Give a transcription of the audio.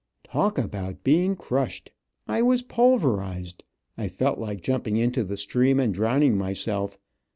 Talk about being crushed! I was pulverized. I felt like jumping into the stream and drowning myself.